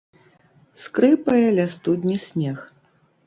Скрыпае ля студні снег.